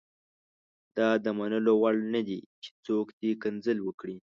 دا د منلو وړ نه دي چې څوک دې کنځل وکړي.